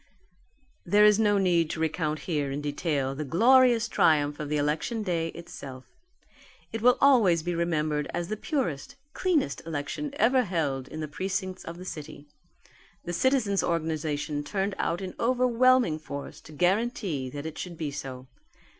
There is no need to recount here in detail the glorious triumph of the election day itself. It will always be remembered as the purest, cleanest election ever held in the precincts of the city. The citizens' organization turned out in overwhelming force to guarantee that it should be so.